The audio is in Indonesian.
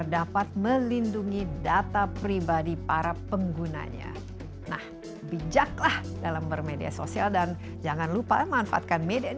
dan juga di video berikutnya